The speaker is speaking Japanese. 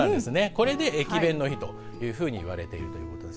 これで駅弁の日というふうに言われているということです。